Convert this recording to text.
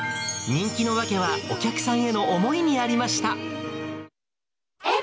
人気の訳は、お客さんへの思いにありました。